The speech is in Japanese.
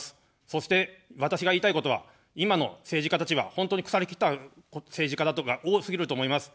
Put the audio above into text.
そして私が言いたいことは今の政治家たちは本当に腐りきった政治家だとか多すぎると思います。